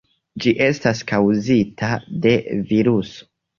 Ĝi estas kaŭzita de viruso.